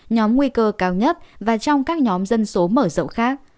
nhóm nguy cơ cao nhất và trong các nhóm dân số mở rộng khác